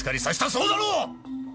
そうだろ！？